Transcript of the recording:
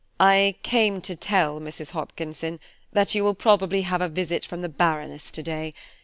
"I came to tell, Mrs. Hopkinson, that you will probably have a visit from the Baroness to day.